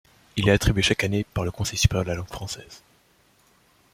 Il est attribué chaque année par le Conseil supérieur de la langue française.